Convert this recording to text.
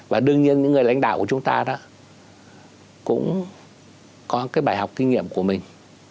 và đương nhiên những người lãnh đạo của chúng ta đó cũng có cái bài học kinh nghiệm của mình